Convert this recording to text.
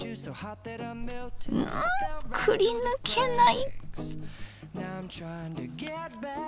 んんくりぬけない。